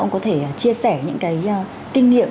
ông có thể chia sẻ những cái kinh nghiệm